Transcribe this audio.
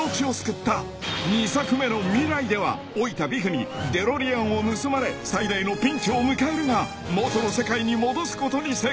［２作目の未来では老いたビフにデロリアンを盗まれ最大のピンチを迎えるが元の世界に戻すことに成功］